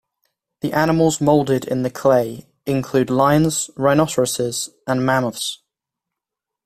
The animals molded in the clay include lions, rhinoceroses, and mammoths.